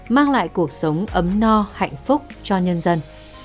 mang lại cuộc sống ấm no hạnh phúc cho nhân dân